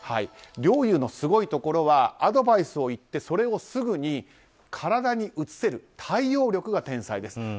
陵侑のすごいところはアドバイスを言ってそれをすぐに体に移せる対応力が天才です。